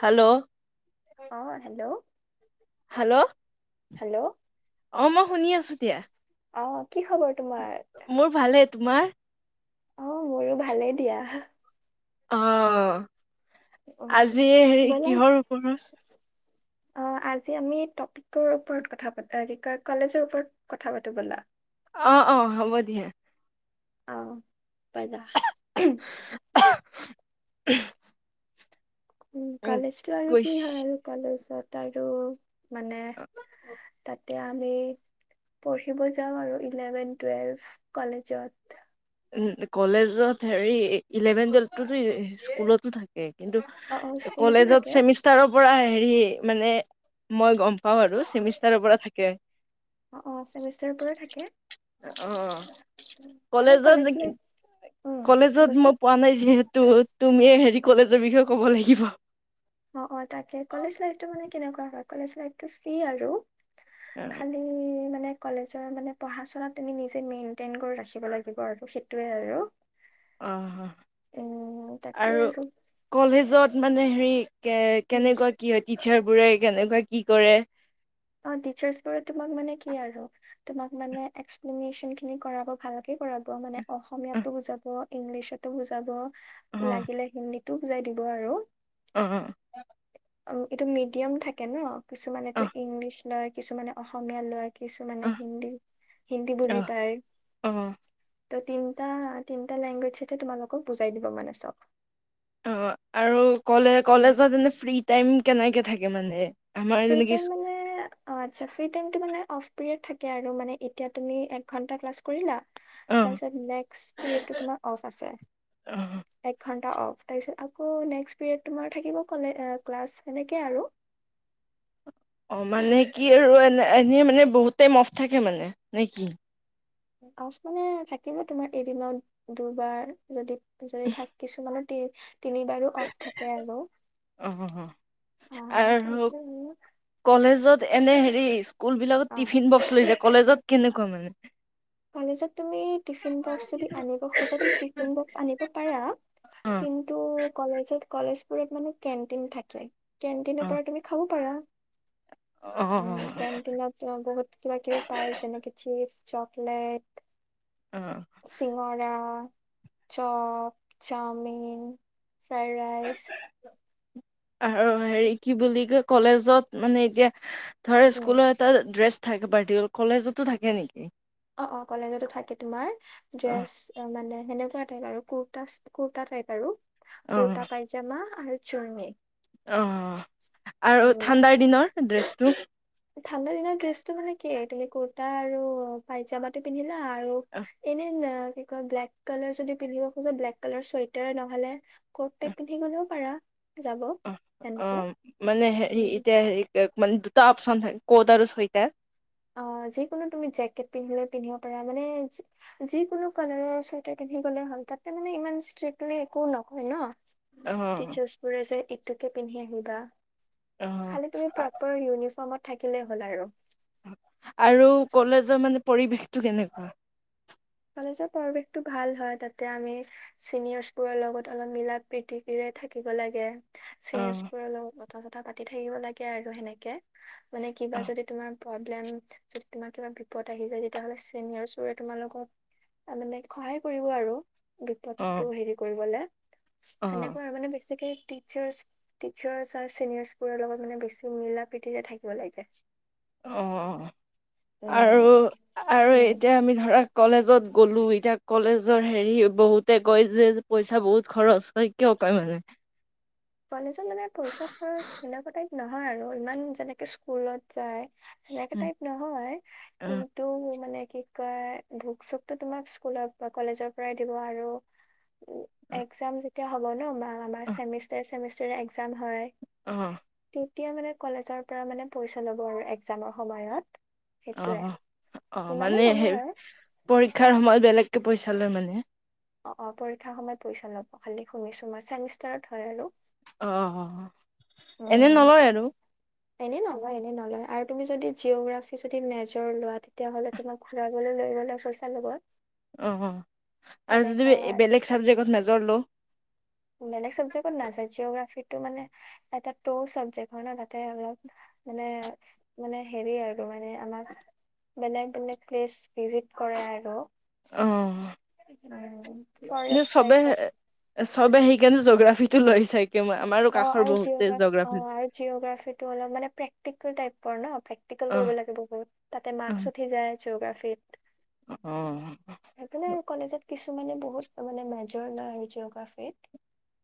Hello. অ hello. Hello. Hello. অ মই শুনি আছো দিয়া। অ। কি খবৰ তোমাৰ? মোৰ ভালে তোমাৰ? অ, মোৰো ভালেই দিয়া। অ। উম আজি হেৰি ব'লা কিহৰ ওপৰত অ আজি আমি টপিকটোৰ ওপৰত কথা পাতো, কলেজৰ ওপৰত কথা পাতো ব'লা। অ -অ, হ'ব দিয়া। অ [unintelligible] [unintelligible] উম, কলেজটো আৰু কি কৈছ হল। কলেজত তাৰু। মানে তাত। এতিয়া আমি পঢ়িব যাওঁ আৰু ইলেভেন- টুৱেল্ভ, কলেজত। উম, কলেজত হেৰি, ইলেভেন টুৱেল্ভতোটো স্কুলতো থাকে। কিন্তু অ অ স্কুলতো কলেজত থাকে ছেমিষ্টাৰ পৰা হেৰি মানে মই গম পাও আৰু চেমিষ্টাৰৰ পৰা থাকে। অ, চেমিষ্টাৰৰ পৰা থাকে। অ। মানে কলেজ লাইফ [unintelligible] উম কি কলেজত কৈছা মই পোৱা নাই যিহেতু। তুমিয়ে হেৰি কলেজৰ বিষয়ে ক'ব লাগিব। অ-অ তাকে, কলেজ লাইফটো মানে কেনেকুৱা হয়? কলেজ লাইফটো ফ্ৰী আৰু। খালি মা নে কলেজৰ মানে পঢ়া-চঢ়া তুমি নিজে মেইনটেইন কৰি ৰাখিব লাগিব আৰু। সেইটোয়ে আৰু অহ হ, উম তাকে আৰু কলেজত মানে হেৰি কে উম কেনেকুৱা কি হয়? টিচাৰ বুৰে কেনেকুৱা কি কৰে। অ টিচাৰ্ছবোৰে তোমাক মানে কি আৰু তোমাক মানে এক্সপ্লনিচনখিনি কৰাব ভালকে কৰাব মানে অ অসমীয়াটো বুজাব। ইংলিছতো বুজাব। অ লাগিলে হিন্দী। টো বুজাই দিব আৰু। অ অ অ এইটো মিডিয়াম থাকে ন। কিছুমানেতো লয় কিছুমানে অসমীয়া লয়। কিছুমানে হিন্দী হিন্দী অ বুজি পায়। অ অ ত' তিনিটা তিনিটা লেংগুৱেজ তোমালোকক বুজাই দিব মানে চব। অ আৰু কলে উম কলেজৰ জোনটো ফ্ৰী টাইম কেনেকে থাকে মানে। আমাৰ ফ্ৰি যেনেকি টাইম মানে অ আটছা ফ্ৰি টাইম টো মানে অফ্ পিৰিয়দ থাকে আৰু মানে এতিয়া তুমি এক ঘন্টা ক্লাছ কৰিলা। অ তাৰপিছত নেক্সট পিৰিয়ড টো তোমাৰ অফ আছে অ এক ঘন্টা অফ তাৰপিছত আকৌ নেক্সট পিৰিয়দ তোমাৰ থাকিব ক্লাছ এনেকে আৰু অ মানে কি আৰু এনে এনে মানে বহুতে টাইম অফ থাকে মানে নে কি? অফ মানে থাকিব তোমাৰ এদিনত দুবাৰ যদি। যদি থাক কিছুমানৰ [unintelligible] অফ থাকে আৰু অ অ আৰু তাৰপিছত কলেজত এনে হেৰি স্কুল বিলাকত অ টিফিন বক্স লৈ যাক কলেজত কেনেকুৱা মানে কলেজত। তুমি টিফিন বক্স যদি আনিব খোজা তুমি টিফিন বক্স আনিব পাৰা কিন্তু কলেজত কলেজ একোৰেত মানে কেণ্টিন থাকে। অ অ কেণ্টিনৰ পৰা তুমি খাব পাৰা। উম কেণ্টিনত বহুত কিবা কিবি পায় যেনেকে চিপচ। চপ লেত অ অ চিঙৰা। চক, চাওমিন, ফ্ৰাই ৰাইচ। আৰু হেৰি কি বুলি কয় কলেজত মানে এতিয়া উম ধৰা উম স্কুলৰ এটা ড্ৰেছ। থাক পাৰ্তি কলেজতো থাকে নেকি? অ অ কলেজতো থাকে তোমাৰ অ', ড্ৰেছ মানে। সেনেকুৱা টাইপ আৰু কুৰা কুুৰ্তা টাইপ আৰু অ', কটা পায়জামা আৰু চুৰ্ণী অ আৰু উম ঠাণ্ডাৰ দিনৰ ড্ৰেছ। ৰোম। ঠাণ্ডা দিনৰত ড্ৰেছটো মানে কি তু সেই কুৰ্তা আৰু পাইজামাটো পিন্ধিলা। আৰু এনে না। কয় ব্লেক কালাৰ যদি পিন্ধিব খোজে ব্লেক কালাৰ চুৱেটাৰ নহ'লে ক'ত ত পিন্ধি গ'লেও পাৰা। যাব অ অ সেনেকে মানে হেৰী এতিয়া হেৰী। মানে দুটা আপচন থাকে ক'ত আৰু চুৱেটাৰ। অ যিকোনো তুমি জেকেট পিন্ধিলে পিন্ধিব পাৰা মানে যিকোনো কালাৰৰ চুৱেটাৰ পিন্ধি গলে হ'ল। তাতে মানে ইমান ষ্ট্ৰিক্টলি একো নকয় ন। অ', টিচাৰ্ছবোৰে যে সটোকে পিন্ধি আহিবা। অ', খালি তুমি প্ৰপাৰ ইনিফমত। থাকিলে হ'ল আৰু। আৰু কলেজৰ মানে পৰিৱেশটো কেনেকুৱা? কলেজৰ পৰিৱেশ টো ভাল হয়। তাতে আমি চিনিয়ৰ্চ বোৰৰ লগত অলপ মিলা -প্ৰতিৰে থাকিব লাগে। চিনিয়ৰজ অ', বোৰৰ লগত। তথা তথা পাতি থাকিব লাগে আৰু সেনেকে মানে কিবা অ', যদি তোমাৰ প্ৰবলেম কিবা বিপদ আহি যায় তেতিয়হলে ছিনিয়ৰচবোৰে তোমাৰ লগত। তাৰমানানে সহায় কৰিব আৰু বিপদতটো হেৰি কৰিবলে। অ', সেনেকুৱা আৰু মানে বেছিকে টি টিচাৰ্চ আৰু চিনিয়ৰ্বোৰৰ লগত মানে বেছি মিলা- প্ৰতিৰে থাকিব লাগে। অ আৰু উম আৰু উম এতিয়া আমি ধৰক কলেজত গ'লো এতিয়া কলেজৰ হেৰি বহুতে কয় যে পইচা বহুত খৰচ হয়। কিয় কয় মানে? কলেজত মানে পইচা খৰচ বিলাকতাইত নহয় আৰু ইমান যেনেকে স্কুলত যায়। সেনেকে টাইপ নহয় কিন্তু মানে। কি কয় বুক চোকো তোমাক স্কুলৰ কলেজৰ পৰাই দিব আৰু একজাম যেতিয়া হব ন ম। আমাৰ চেমি চেমিচষ্টাৰ একজাম হয় অ তেতিয়া মানে কলেজৰ পৰা মানে পইচা ল'ব আৰু একজামৰ সময়ত। অ সেইটোয়ে অ অ ইমানে মানে, নলয় সেই আৰু পৰীক্ষাৰ সময়ত বেলেগ পইচা লয় মানে। অ অ পৰীক্ষাৰ সময়ত পইচা লব খালি শুনিছো মই চেমিষ্টাৰত হয় আৰু। অ অ। এনে নলয় আৰু। এনে নলয় এনে নলয় আৰু তুমি যদি জিঅগ্ৰাফি যদি মেজৰ লোৱা তেতিয়াহলে তোমাৰ ঘুৰাবলৈ লৈ গলে পইচা লব। অ অ আৰু যে তেনেকুৱা তুমি বেলেগ চাবজেক্টত মেজৰ লম মানে এক চাবজেক্টত নাচায় জীঅগ্ৰাফি মানে এটা চাবজেক্ট হয় ন তাতে অলপ মানে মানে হেৰি আৰু মানে আমাক বেলেগ বেলেগ প্লেচ ভিজিত কৰে আৰু। অঁ। ন ফৰেষ্ট চবে, টাইপত চবে সেইকাৰণে জগ্ৰাফি ত লৈ চা অ আৰু জিঅগাফি অ আৰু জিঅগ্ৰাফিটো অলপ মানে প্ৰেক্টিকেল টাইপৰ ন, প্ৰেক্টিকেল অ কৰিব লাগিব বহুত তাতে মাৰ্কচ উঠি যায় জিঅ'গ্ৰাফি। উম। আৰু কলেজত কিছুমানে বহুত মানে মেজৰ ন আৰু জিঅ'গ্ৰাফিত।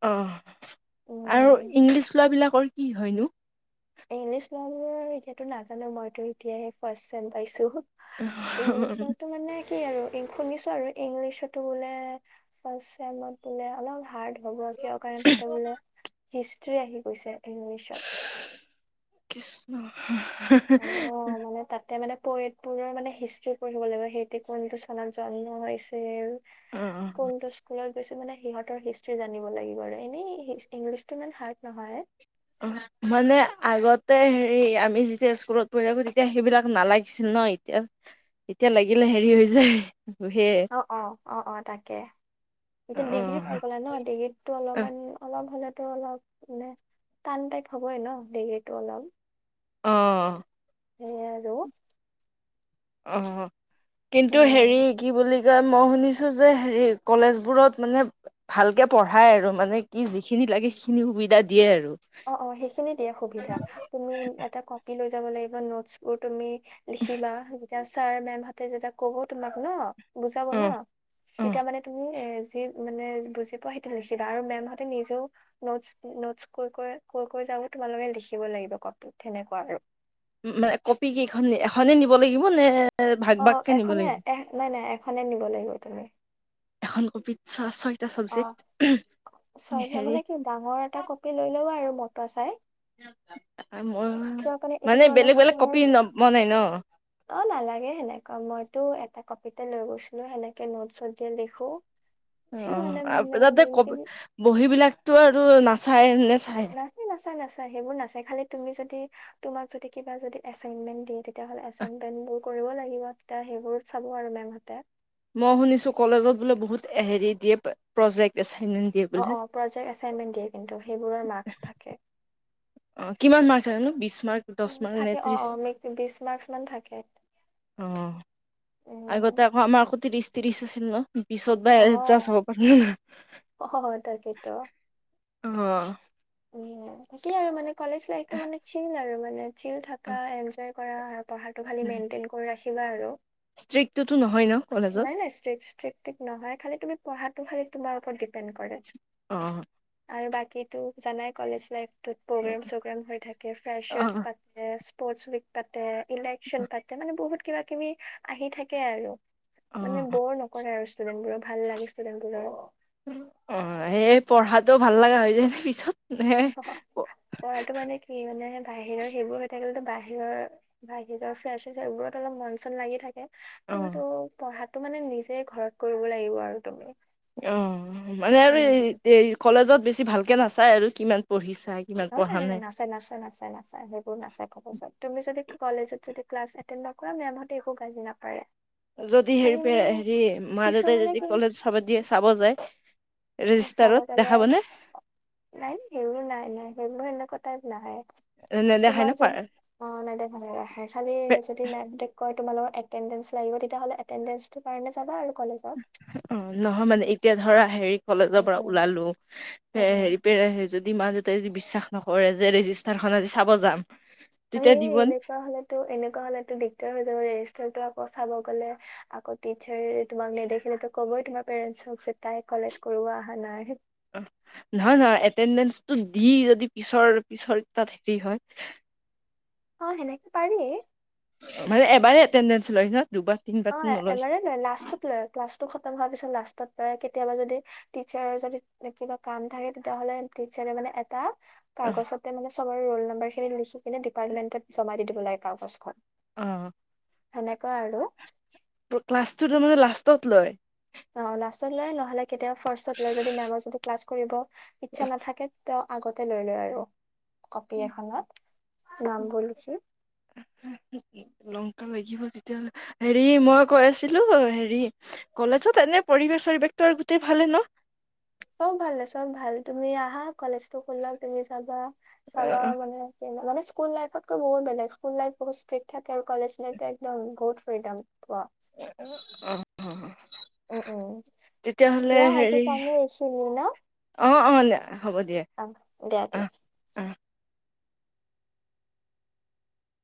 অ আৰু ইংলিছ লোৱা বিলাকৰ কি হয়নো। ইংলিছ লোৱা বিলাকৰ এইতো নাজানো মইতো এতিয়াহে ফাৰ্ষ্ট ছেম পাইছো। ইংলিছতো মানে [unintelligible] কি আৰু শুনিছো আৰু ইংলিছতো বোলে ফাৰ্ষ্ট চেমত বোলে অলপ হাৰ্ড ভবাস কাৰণে তাতে বোলে হিছ আহি গৈছে ইংলিছত। কৃষ্ণ। হি হি হি। পইটবোৰৰ মানে হিষ্ট্ৰি পঢ়িব লাগিব সেইটো কোনটো চনত জন্ম হৈছে আৰু অ কোনটো স্কুলত হৈছে মানে সিহঁতৰ হিষ্ট্ৰ্ৰী জানিব লাগিব আৰু এনেই ইংলিছটো ইমান হাৰ্ড নহয়। অ মানে আগতে হেৰি আমি যেতিয়া স্কুলত পঢ়ি থাকো, তেতিয়া সেইবিলাক নালাগিছিল ন এতিয়া, এতিয়া লাগিলে হেৰি হৈ যায়। সেয়ে অ অ অ অ তাকে, অ এতিয়া ডিগ্ৰী পাই গলে ন, ডিগ্ৰীটো অলপমান অলপ হ'লে টো অলপ মানে, টান টাইপ হবই ন ডিগ্ৰীটো অলপ। অ। সেইয়াই আৰু। অ। কিন্তু হেৰি উম কি বুলি যে মই শুনিছো যে হেৰি কলেজ বোৰত মানে, ভালকে পঢ়াই আৰু মানে কি যিখিনি লাগে সেইখিনি সুবিধা দিয়ে আৰু। অ' অ, সেইখিনি দিয়ে সুবিধা, তুমি এটা কপি লৈ যা যাব লাগিব নোটচ বোৰ তুমি লিখিবা যেতিয়া ছাৰ -মেম হাতে যেতিয়া ক'ব তোমাক ন' বুজাব অ ন' অ তেতিয়া মানে তুমি এ, যি মানে বুজি পোৱা সেইটো নিছিল আৰু মেমহতে নিজেও নটচ- নটচ, কৈ- কৈ- কৈ - কৈ যাব তোমালোকে লিখিব লাগিব কপিত সেনেকুৱা আৰু। উম, মানে কপি কেইখন এখনে নিব লাগিব নে, ভাগ অ, ভাগকে নিব 'এখনে লাগিব এক নাই - নাই, খনে নিব লাগিব তুমি। এখন কপিত ছয়- ছয় অ 'চয় মানে কি ডাঙৰ এটা কপি লৈ লবা আৰু ম, ত চাই, মই [unintelligible] মানে বেলেগ বেলেগ কপি ন বনাই ন এটা কপিতে লৈ গৈছিলো সেনেকে নোট -চট যে লিখো। সেই মানে অ মানে 'তাতে মেইনকে কপি বহী বিলাকতো আৰু না, চাই, নাচি - নাচাই- নাচাই। সেইবোৰ নাচাই খালি তুমি যদি, তোমাক যদি কিবা যদি এছাইনমেণ্ট দিয়ে, তেতিয়া হলে এছাইনমন্তবোৰ কৰিব লাগিব, তেতিয়া সেইবোৰ চাব আৰু মেম হতে। মই শুনিছো কলেজত বোলে বহুত হেৰি দিয়ে প্ৰজেক্ট, এচাইন অ -অ প্ৰজেক্ট এছাইনমেণ্ট দিয়ে কিন্তু সেইবোৰৰ মাৰ্কচ থাকে। অ 'কিমান মাৰ্ক আনানো বিশ? মান নে দশ উম, মান নে থাকে অ ত্ৰিশ অ মেক বিশ মাৰ্কচ মান থাকে উম অ'আগতে আকৌ আমাৰ আকৌ ত্ৰিশ- ত্ৰিশ আছিল ন' ৰূপিচত বা অ জাষ্ট হব পাৰে। নাজ, অ তাকেতো অ', উম তাকেই আৰু মানে কলেজ লাইটো মানে চিন আৰু মানে। চিল থাকা এনজয়, কৰা আৰু। পঢ়াটো খালি মেইনটেইন কৰি ৰাখিব, কিবা আৰু। তৃক্তুটো নহয় ন? কলেজত নাই নাই স্ত্ৰিকচ ফ্লিপ টিপ নহয় খালি তুমি, পঢ়াটো খালি তোমাৰ ওপৰত ডিপেণ্ড কৰে। অ, আৰু বাকীতো জানাই কলেজ লাইফ। তত' প্ৰগ্ৰেম -চগ্ৰেম হৈ থাকে অ ফ্ৰেচাৰছ পা, স্পৰ্ট উইক পাতে, ইলেকশচন পাতে, মানে বহুত কিবা -কিবি আহি থাকে আৰু। অ মানে বৰ নকৰে আৰু। ষ্টুডেণ্টবোৰৰ ভাল লাগে! ষ্টুডেণ্টবোৰৰ। অ'! এই পঢ়াটো ভাল লগা হৈ যদি পিছত। [unintelligible] নে পঢ়াটো মানে, কি মানে? বাহিৰৰ সেইবোৰ হৈ থাকিলেতো, বাহিৰৰ - বাহিৰৰ ফ্ৰেছাৰ্ছ সেইবোৰত অলপ মন চন লাগি থাকে। অ', কিন্তু, পঢ়াত এইটো মানে, নিজে ঘৰত কৰিব লাগিব আৰু তুমি। অ'! মানে আৰু এই উম - এই কলেজত বেছি ছি ভালকে নাচায় আৰু কিমান পঢ়িছে। অ'! নাই, নাই। নাচায়, নাচায়, নাচায়, নাচায়। সেইবোৰ নাচায় কবচোন! তুমি যদি ক - কলেজত যদি ক্লাছ এটেণ্ড নকৰা, মেমহঁতে একো গালি নাপাৰে। যদি খালি হেৰি মানে - হেৰি মা দেউতাই কিছুমানে যদি কি কলেজ চাব দিয়ে - চাব যায়? চাব ৰেজিষ্টাৰত গ'লে, দেখাব নে নাই। সেইবোৰ নাই নাই, সেইবোৰ এনেকুৱা টাইপ নাহে। নেদেখাই ন তোমাৰ পাৰ যদি, অ' নেদেখায় নেদেখায়। খালি যদি [unintelligible] অই তোমালোকৰ এটেণ্ডেঞ্চ লাগিব। তেতিয়াহ'লে, এটেণ্ডেঞ্চটোৰ কাৰণে যাবা আৰু। কলেজত অ'! নহয় মানে, এতিয়া ধৰা হেৰি কলেজৰ উম পৰা উম ওলালোঁ। উম হে - উম হেৰি পেৰে যদি মা তাই যদি বিশ্বাস নকৰে যে, ৰেজিষ্টাৰখন আজি চাব যাম। এ, তেতিয়া দিব নে এনেকুৱা হ'লেতো এনেকুৱা হ'লেতো দিগদাৰ হৈ যাব ৰে [unintelligible] টো আকৌ চাব গ'লে, আকৌ টিচাৰ তোমাক নেদেখিলে তো' ক'বই, তোমাৰ পেৰেণ্ন্টছ হক যে তাই কলেজ কৰিব আহা নাই। অ' নহয়, নহয়। এটেনডেঞ্চটো দি যদি পিছৰ - পিছৰ তাত হেৰি হয়। অ'! সেনেকে পাৰি। মানে, এবাৰে এটেণ্ডেঞ্চ লয় ন'? দুবাৰ অ' তিনিবাৰটো নলয় এবাৰে লয়। লাষ্টত লয়, ক্লাছটো খতম হোৱাৰ পিছত লাষ্টত লয় কেতিয়াবা যদি, টিচাৰৰ যদি কিবা কাম থাকে। তেতিয়াাহ'লে টিচাৰে মানে এটা অ', কাগজতে মানে চহৰ ৰোল নম্বাৰ খিনি লিখি কেনে ডিপাৰ্টমেন্টত জমা দি দিব লাগে কাগজখন। অ'! সেনেকুৱা আৰু। ক্লাছটো তাৰ মানে লাষ্টত লয়? অ লাষ্টত লয় নহ'লে কেতিয়াবা ফাৰ্ষ্টত লয় যদি মেমৰ যদি ক্লাছ কৰিব। ইচ্ছা নাথাকে তেওঁ আগতে লৈ লয় আৰু। কপি এখনত নামবোৰ লিখি [unintelligible] তেতিয়াহলে, ‌ হেৰি মই কৈ আছিলো হেৰি কলেজত এনে পৰিৱেশ-চৰিৱেশটো আৰু গোটেই ভালে ন? চ'ব ভালে চ'ব ভাল তুমি আহা। কলেজটো খোলক তুমি চাবা, চাবা অ মানে [unintelligible] মানে স্কুল লাইফতকৈ বহুত বেলেগ। স্কুল লাইফ বহুত ষ্ট্ৰিক্ থাকে আৰু কলেজ লাইফটো একদম বহুত ফ্ৰীডম। পোৱা অঁ। হ হ। উম উম তেতিয়াহলে দিয়া আজিৰ হেৰি কাৰণে এইখিনি ন অ অ হ'ব দিয়া আহ, দিয়া দিয়া আহ আহ।